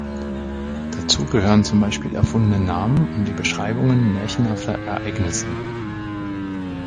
Dazu gehören zum Beispiel erfundene Namen und die Beschreibungen märchenhafter Ereignisse.